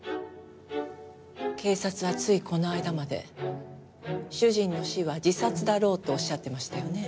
警察はついこの間まで主人の死は自殺だろうとおっしゃっていましたよね？